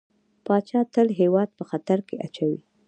پاچا تل هيواد په خطر کې اچوي .